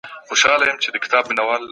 ټول انسانان د ژوند حق لري.